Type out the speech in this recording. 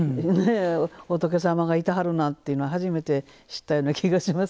仏様がいてはるなんていうのは初めて知ったような気がします。